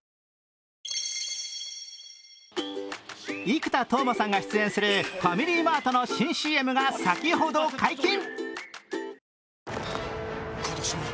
生田斗真さんが出演するファミリーマートの新ＣＭが先ほど解禁。